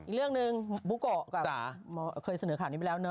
อีกเรื่องหนึ่งบุโกะเคยเสนอข่าวนี้ไปแล้ว